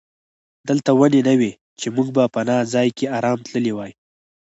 دلته ونې نه وې چې موږ په پناه ځای کې آرام تللي وای.